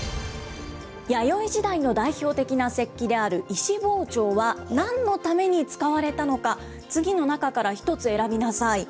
弥生時代の代表的な石器である石包丁は、なんのために使われたのか、次の中から１つ選びなさい。